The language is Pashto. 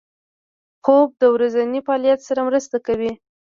خوب د ورځني فعالیت سره مرسته کوي